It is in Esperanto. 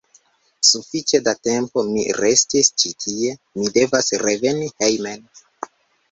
Sufiĉe da tempo mi restis ĉi tie, mi devas reveni hejmen.